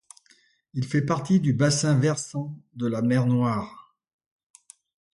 Il fait partie du bassin versant de la mer Noire.